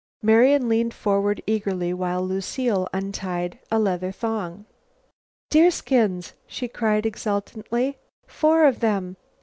Marian leaned forward eagerly while Lucile untied a leather thong. "Deerskins!" she cried exultantly. "Four of them!